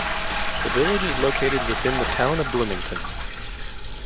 The village is located within the Town of Bloomington.